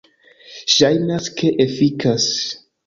Ŝajnas ke efikas.